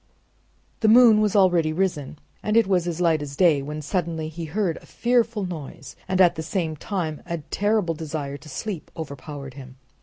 The moon was already risen and it was as light as day, when suddenly he heard a fearful noise, and at the same time a terrible desire to sleep overpowered him.